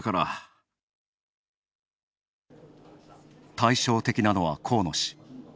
対照的なのは河野氏。